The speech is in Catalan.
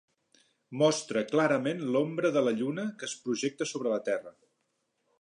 Mostra clarament l'ombra de la Lluna que es projecta sobre la Terra.